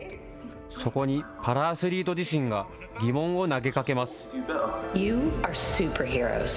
そこにパラアスリート自身が疑問を投げかけます。